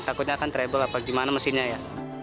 takutnya akan treble apa gimana mesinnya ya